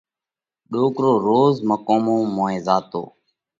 ڏوڪرو روز مقومون موئين زاتو